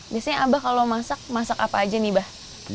biasanya abah kalau masak masak apa aja nih abah